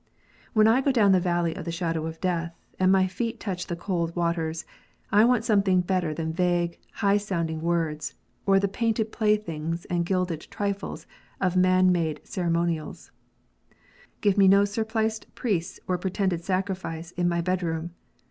When I go down the valley of the shadow of death, and my feet touch the cold waters, I want something better than vague, high sounding words, or the painted playthings and gilded trifles of man made ceremonials. Give me 110 stone altars and would be confessors. Give me no surpliced priests or pretended sacrifice in my bed room.